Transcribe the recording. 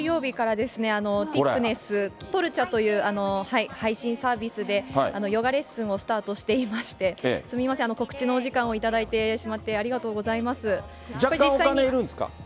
先週、ティップネスでトルチャという配信サービスで、ヨガレッスンをスタートしていまして、すみません、告知のお時間を頂いてしまって、若干、お金いるんですか？